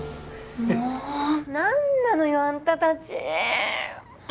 もう何なのよあんたたち。